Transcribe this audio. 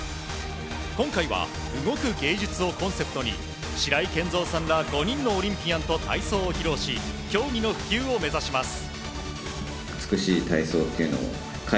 今回は動く芸術をコンセプトに白井健三さんら５人のオリンピアンと体操を競技し競技の普及を目指います。